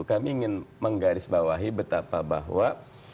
kami ingin menggarisbawahi betapa bahwa